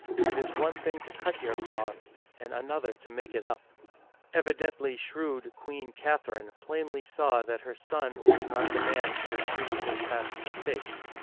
It is one thing to cut your cloth, and another to make it up !" Evidently shrewd Queen Catherine plainly saw that her son was not the man to retrieve his past mistakes.